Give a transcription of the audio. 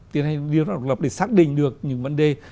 thì điều tra độc lập để xác định được những vấn đề